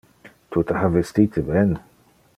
Tu te ha vestite ben.